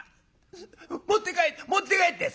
持って帰って持って帰って！」。